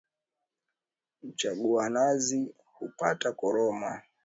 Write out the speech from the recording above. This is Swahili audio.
Mchagua nazi hupata koroma